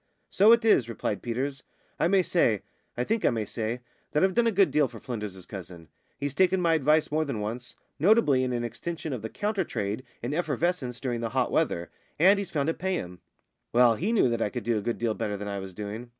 "So it is!" replied Peters. "I may say I think I may say that I've done a good deal for Flynders's cousin. He's taken my advice more than once, notably in an extension of the counter trade in effervescents during the hot weather, and he's found it pay him. Well, he knew that I could do a good deal better than I was doing.